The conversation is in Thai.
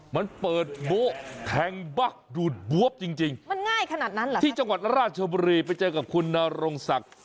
มันเปิดโบ๊ะแทงบั๊กดูดบวบจริงจริงมันง่ายขนาดนั้นเหรอที่จังหวัดราชบุรีไปเจอกับคุณนรงศักดิ์